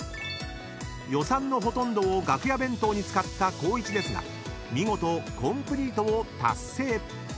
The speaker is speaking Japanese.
［予算のほとんどを楽屋弁当に使った光一ですが見事コンプリートを達成］